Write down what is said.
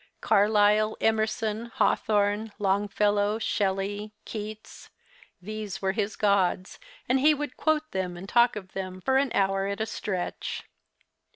Carlyle, Emerson, Hawthorne, Longfellow, Shelley, Keats — these were his gods, and he would quote them and talk of them for an hour at a stretch.